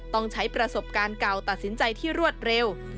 ต้องใช้ประสบการณ์เก่าตัดสินใจที่รวดเร็ว